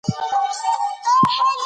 آیا ته د پښتو لنډۍ خوښوې؟